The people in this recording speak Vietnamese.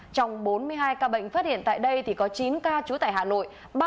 trong bốn mươi hai ca bệnh phát hiện tại đây có chín ca trú tại hà nội